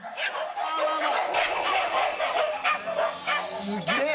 すげえ！